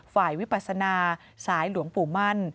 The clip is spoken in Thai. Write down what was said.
วิปัสนาสายหลวงปู่มั่น